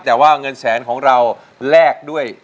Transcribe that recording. การร้องเพลงของเราแรกด้วย